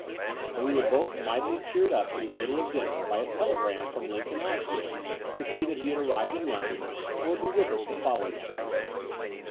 But we were both mightily cheered up in the middle of dinner by a telegram from Lincoln Osgood to say that he had arrived in London and would be with us the following afternoon.